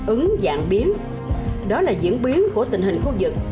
ứng vạn biến đó là diễn biến của tình hình khu vực